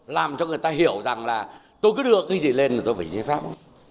làm cho người ta hiểu rằng là tôi cứ đưa cái gì lên là tôi phải xin phép